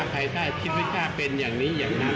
ไห้กายได้ยังไม่จ้างเป็นอย่างนี้อย่างนั้น